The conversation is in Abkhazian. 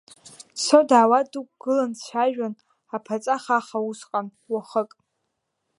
Дцо-даауа дықәгылан дцәажәон аԥаҵа хаха усҟан, уахык.